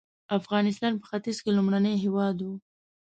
افغانستان په ختیځ کې لومړنی هېواد و.